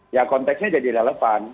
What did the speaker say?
ya konteksnya jadi relevan